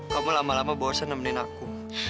kamu lama lama bosen nemenin aku